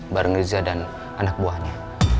bareng riza dan anak buahnya